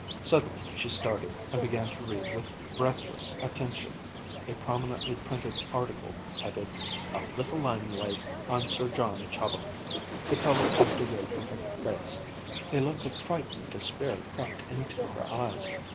Suddenly she started, and began to read with breathless attention a prominently printed article, headed "A Little Limelight on Sir John Chobham." The colour ebbed away from her face, a look of frightened despair crept into her eyes.